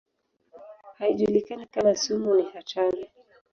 Haijulikani kama sumu ni hatari.